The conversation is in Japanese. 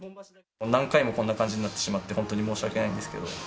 何回もこんな感じになってしまって、本当に申し訳ないんですけど。